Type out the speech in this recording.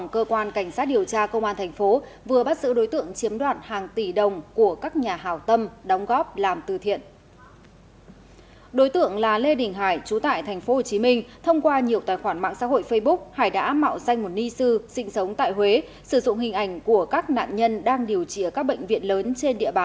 cơ quan cảnh sát điều tra công an tp an giang đã ra quyết định khởi tố vụ án hình sự về tội